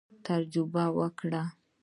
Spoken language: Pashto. تجارت وکړئ